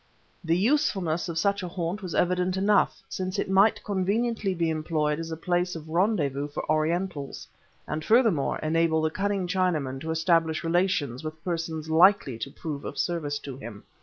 The usefulness of such a haunt was evident enough, since it might conveniently be employed as a place of rendezvous for Orientals and furthermore enable the cunning Chinaman to establish relations with persons likely to prove of service to him.